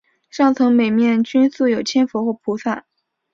上层每面均塑有千佛或菩萨。